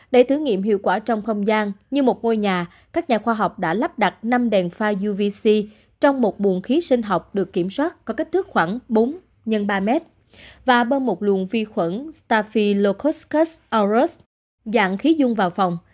để thử nghiệm hiệu quả trong không gian như một ngôi nhà các nhà khoa học đã lắp đặt năm đèn pha yuvic trong một buồn khí sinh học được kiểm soát có kích thước khoảng bốn x ba m và bơm một luồng vi khuẩn stafi locoscus aurus dạng khí dung vào phòng